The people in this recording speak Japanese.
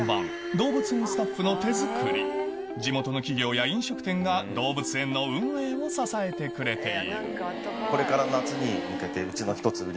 動物園スタッフの手作り地元の企業や飲食店が動物園の運営を支えてくれているおっおぉ。